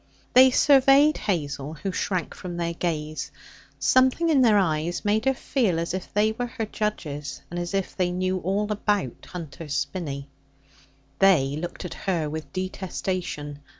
They surveyed Hazel, who shrank from their gaze. Something in their eyes made her feel as if they were her judges, and as if they knew all about Hunter's Spinney. They looked at her with detestation.